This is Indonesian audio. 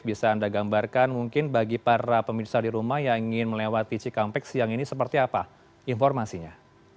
bisa anda gambarkan mungkin bagi para pemirsa di rumah yang ingin melewati cikampek siang ini seperti apa informasinya